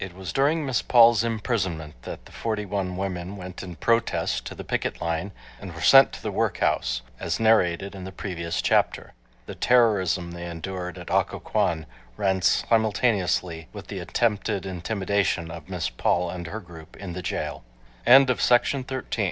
It was during Miss Paul's imprisonment that the forty one women went in protest to the picket line and were sent to the workhouse, as narrated in the previous chapter. The terrorism they endured at Occoquan ran simultaneously with the attempted intimidation of Miss Paul and her group in the jail. Chapter 13 Administration—La